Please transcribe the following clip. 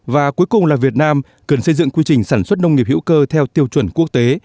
và cuối cùng là việt nam cần xây dựng quy trình sản xuất nông nghiệp hữu cơ theo tiêu chuẩn quốc tế